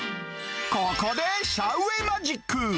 ここでシャウ・ウェイマジック。